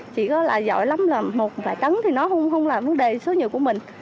chỉ có là giỏi lắm là một vài tấn thì nó không là vấn đề số nhiều của mình